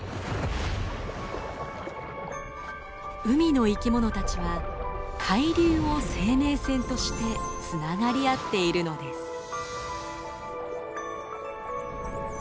海の生き物たちは海流を生命線としてつながり合っているのです。